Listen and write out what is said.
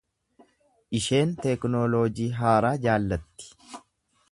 Isheen tekinooloojii haaraa jaallatti.